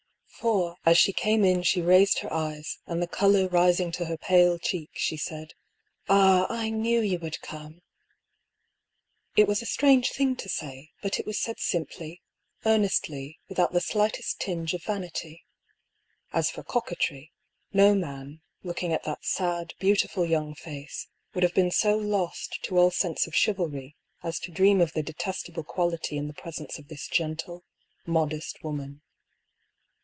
For as she came in she raised her eyes, and the colour rising to her pale cheek she said :" Ah, I knew you would come !" It was a strange thing to say ; but it was said sim ply, earnestly, without the slightest tinge of vanity. As for coquetry, no man, looking at that sad, beautifal young face, would have been so lost to all sense of chiv alry as to dream of the detestable quality in the pres ence of this gentle, modest woman.